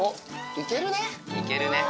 いけるね。